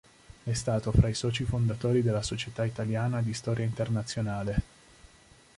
È stato fra i soci fondatori della Società Italiana di Storia Internazionale.